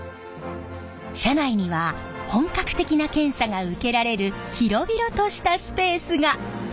車内には本格的な検査が受けられる広々としたスペースが！